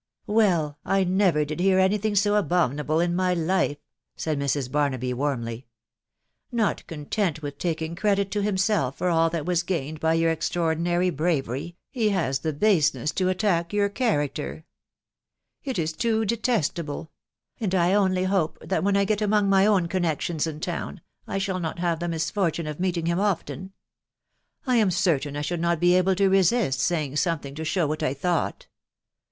" Well, I never did hear any thing so abominable in my life !" said Mrs. Barnaby warmly. ..." 'Not cOTktexrt. <*tUk taking credit to himself for all that was £&\iw& Vj ^omt exxt» *Sfc WIDOW BABXABY. 203 ordinary bravery, he has the baseness to attack you character !.... It is too detestable !.... and I only hope, that when I get among my own connections in town, I shall not have the misfortune of meeting him often. ... I am certain I should not be able to resist saying something to show what I thought.